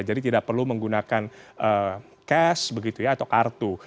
jadi tidak perlu menggunakan cash atau kartu